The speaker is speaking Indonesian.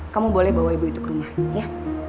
kamu boleh bawa ibu itu ke rumah ya